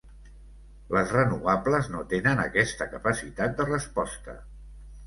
Les renovables no tenen aquesta capacitat de resposta.